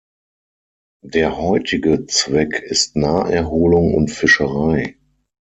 Der heutige Zweck ist Naherholung und Fischerei.